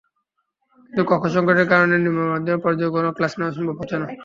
কিন্তু কক্ষ–সংকটের কারণে নিম্নমমাধ্যমিক পর্যায়ে কোনো ক্লাস নেওয়া সম্ভব হচ্ছে না।